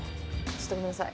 ちょっとごめんなさい。